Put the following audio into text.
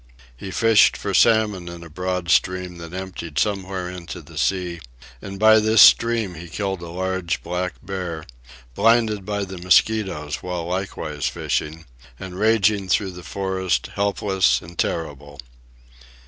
He fished for salmon in a broad stream that emptied somewhere into the sea, and by this stream he killed a large black bear, blinded by the mosquitoes while likewise fishing, and raging through the forest helpless and terrible.